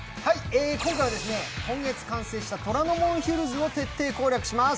今回は今月完成した虎ノ門ヒルズを徹底解明します。